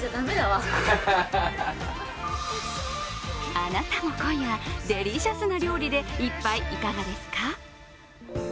あなたも今夜、デリシャスな料理で一杯、いかがですか？